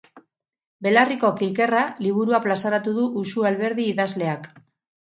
Belarriko kilkerra liburua plazaratu du Uxue Alberdi idazleak.